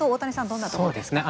どんなところですか？